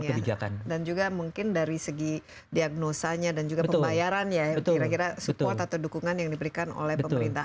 ya dan juga mungkin dari segi diagnosanya dan juga pembayaran ya kira kira support atau dukungan yang diberikan oleh pemerintah